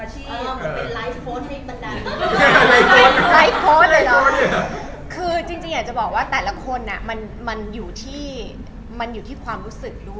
ทันยาก็ถือเป็นเหมือนไอดอลของเมียหลวงในไล่โค้ด